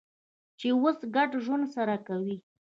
چې اوس ګډ ژوند سره کوي.